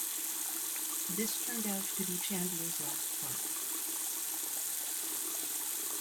This turned out to be Chandler's last fight.